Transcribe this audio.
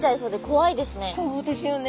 そうですよね。